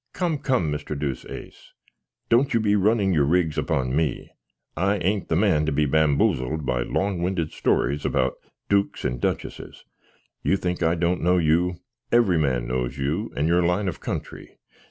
Come, come, Mr. Deuceace, don't you be running your rigs upon me; I an't the man to be bamboozl'd by long winded stories about dukes and duchesses. You think I don't know you; every man knows you, and your line of country.